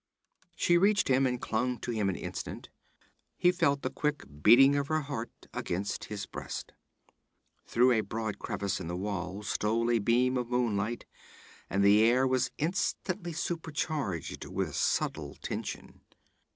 She reached him and clung to him an instant. He felt the quick beating of her heart against his breast. Through a broad crevice in the wall stole a beam of moonlight, and the air was instantly supercharged with subtle tension.